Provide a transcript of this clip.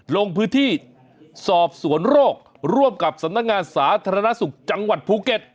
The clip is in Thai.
ลงพื้นที่สอบสวนโรคร่วมกับสำนักงานสาธารณสุขจังหวัดภูเก็ต